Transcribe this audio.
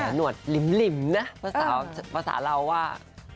หนวดหลิมนะภาษาเราว่า